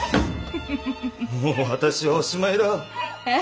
もう私はおしまいだ。え？